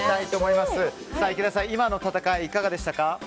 いけださん、今の戦いいかがでしたか？